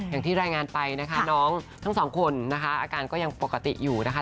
อย่างที่รายงานไปนะคะน้องทั้งสองคนนะคะอาการก็ยังปกติอยู่นะคะ